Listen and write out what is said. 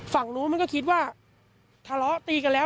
ฝั่งนู้นมันก็คิดว่าทะเลาะตีกันแล้ว